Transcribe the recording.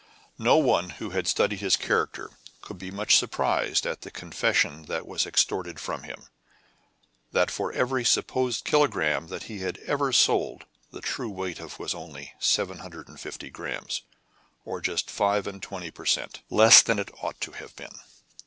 No one who had studied his character could be much surprised at the confession that was extorted from him, that for every supposed kilogramme that he had ever sold the true weight was only 750 grammes, or just five and twenty per cent. less than it ought to have been.